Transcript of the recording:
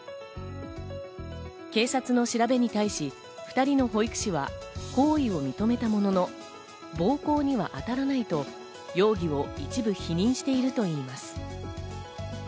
警察の調べに対し２人の保育士は行為を認めたものの、暴行にはあたらないと容疑を一部否認しているといいます。